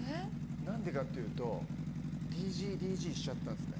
何でかっていうとＤＧＤＧしちゃったんですね。